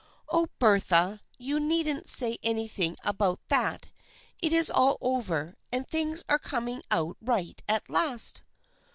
" Oh, Bertha, you needn't say anything about that ! It is all over, and things are coming out right at last."